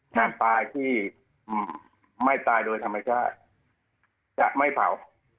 การตายที่ไม่ตายโดยธรรมชาติจะไม่เผา